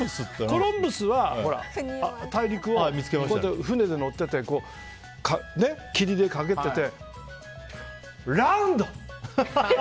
コロンブスは、船で乗ってて霧でかげっててラウンド！